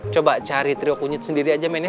coba cari trio kunyit sendiri aja men ya